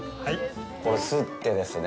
これすってですね。